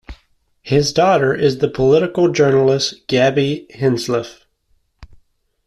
His daughter is the political journalist Gaby Hinsliff.